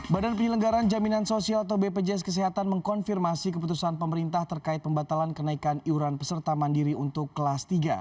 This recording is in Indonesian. badan penyelenggaran jaminan sosial atau bpjs kesehatan mengkonfirmasi keputusan pemerintah terkait pembatalan kenaikan iuran peserta mandiri untuk kelas tiga